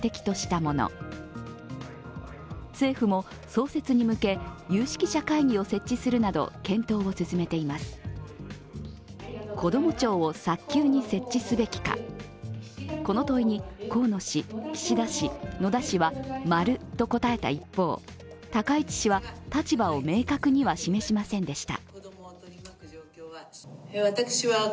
この問いに河野氏、岸田氏、野田氏はマルと答えた一方高市氏は立場を明確には示しませんでした。